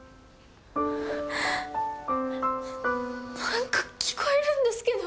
何か聞こえるんですけど！？